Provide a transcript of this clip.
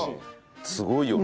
すごいよね。